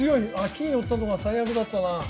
金寄ったのが最悪だったな。